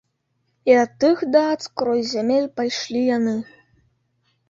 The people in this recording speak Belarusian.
І ад тых дат скрозь зямель пайшлі яны.